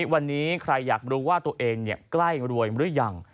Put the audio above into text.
วันนี้ใครอยากรู้ว่าตัวเองใกล้รวยหรือยัง